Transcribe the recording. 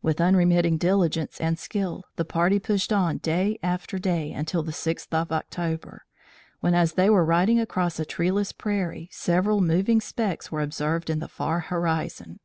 With unremitting diligence and skill, the party pushed on day after day until the sixth of October, when, as they were riding across a treeless prairie, several moving specks were observed in the far horizon.